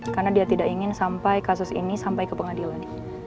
karena dia tidak ingin sampai kasus ini sampai ke pengadilan